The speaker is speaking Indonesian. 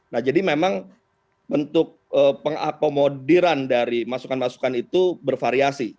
nah jadi memang bentuk pengakomodiran dari masukan masukan itu bervariasi